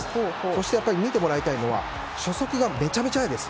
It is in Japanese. そして見てもらいたいのは初速がめちゃくちゃ速いです。